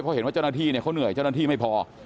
เพราะเห็นว่าเจ้าหน้าที่เขาเหนื่อยเจ้าหน้าที่ไม่พอ